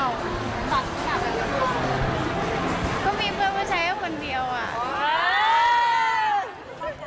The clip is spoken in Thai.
ฝากที่หมากมันเดียวหรือเปล่า